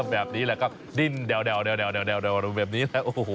แบบนี้แหละก็ดิ้นแดวแบบนี้แล้ว